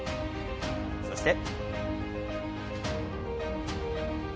そして。